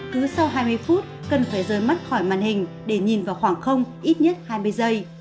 cứ sau hai mươi phút cần phải rời mất khỏi màn hình để nhìn vào khoảng không ít nhất hai mươi giây